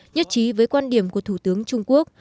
nhất trí với quan điểm của thủ tướng trung quốc